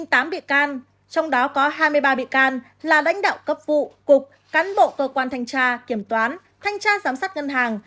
trong đó có hai mươi ba bị can là lãnh đạo cấp vụ cục cán bộ cơ quan thanh tra kiểm toán thanh tra giám sát ngân hàng